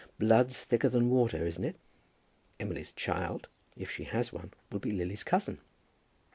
Blood's thicker than water; isn't it? Emily's child, if she has one, will be Lily's cousin."